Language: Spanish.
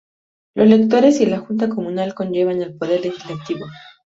Los electores y la junta comunal conllevan el poder legislativo.